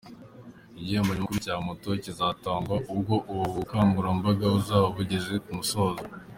Igihembo nyamukuru cya moto kizatangwa ubwo ubu bukangurambaga buzaba bugeze ku musozo.